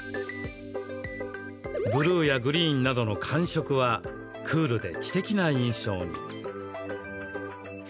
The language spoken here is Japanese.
ブルーやグリーンなどの寒色はクールで知的な印象に。